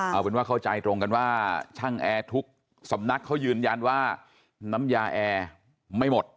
เอาเป็นว่าเข้าใจตรงกันว่าช่างแอร์ทุกสำนักเขายืนยันว่าน้ำยาแอร์ไม่หมด